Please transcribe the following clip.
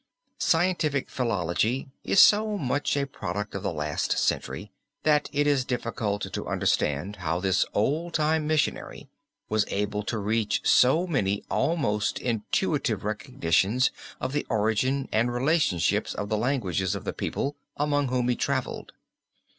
Scientific philology is so much a product of the last century, that it is difficult to understand how this old time missionary was able to reach so many almost intuitive recognitions of the origin and relationships of the languages of the people among whom he traveled.